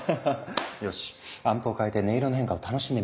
よしアンプを替えて音色の変化を楽しんでみるか。